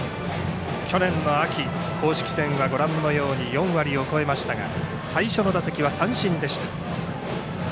去年秋、公式戦は４割を超えましたが最初の打席は三振でした。